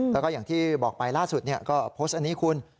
แล้วก็อย่างที่บอกไปล่าสุดก็โพสต์อันนี้คุณ